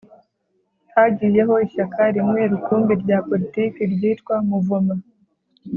Hagiyeho ishyaka rimwe rukumbi rya poritiki ryitwa Muvoma